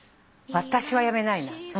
私は辞めないな。